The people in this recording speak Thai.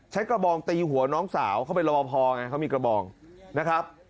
กระบองตีหัวน้องสาวเขาเป็นรอบพอไงเขามีกระบองนะครับ